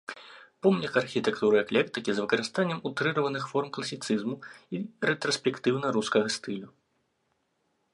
Помнік архітэктуры эклектыкі з выкарыстаннем утрыраваных форм класіцызму і рэтраспектыўна-рускага стылю.